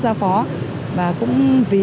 ra phó và cũng vì